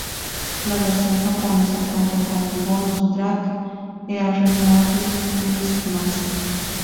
La versión japonesa cuenta con un bonus track, "Early Morning Christmas".